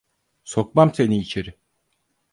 Sokmam seni içeri…